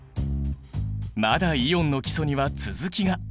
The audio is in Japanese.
まだイオンの基礎には続きが！